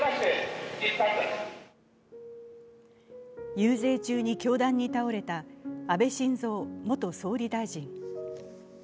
遊説中に凶弾に倒れた安倍晋三元総理大臣。